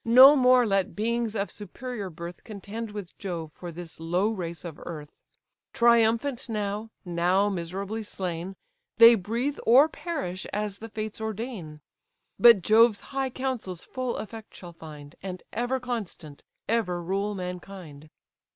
No more let beings of superior birth Contend with Jove for this low race of earth; Triumphant now, now miserably slain, They breathe or perish as the fates ordain: But Jove's high counsels full effect shall find; And, ever constant, ever rule mankind."